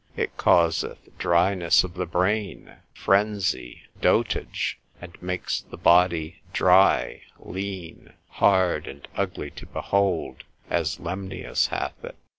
It causeth dryness of the brain, frenzy, dotage, and makes the body dry, lean, hard, and ugly to behold, as Lemnius hath it.